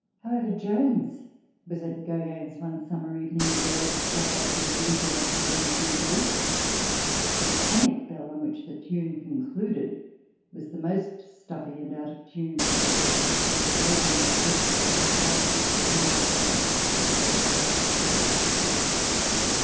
However, Jones was at Gogin's one summer evening and the bells struck up their dingy old burden as usual. The tonic bell on which the tune concluded was the most stuffy and out of tune. Gogin said it was like the smell of a bug.